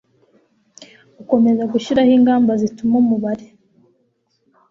gukomeza gushyiraho ingamba zituma umubare